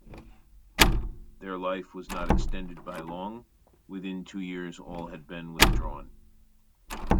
Their life was not extended by long; within two years all had been withdrawn.